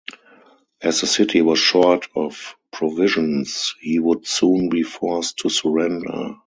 As the city was short of provisions, he would soon be forced to surrender.